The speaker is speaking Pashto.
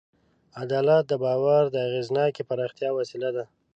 عدالت د باور د اغېزناکې پراختیا وسیله ده.